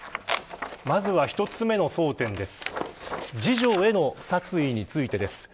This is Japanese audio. まずは、１つ目の争点です。